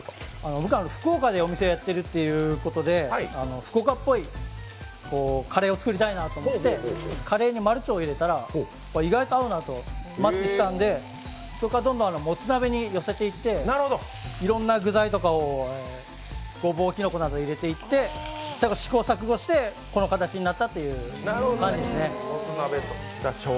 僕は福岡でお店をやっているということで、福岡っぽいカレーを作りたいなと思ってカレーに丸腸を入れたら意外と合うなとマッチしたんで、そこからどんどんもつ鍋に寄せていっていろんな具材とかを、ごぼう、きのこなどを入れていって試行錯誤してこの形になったっていう感じですね。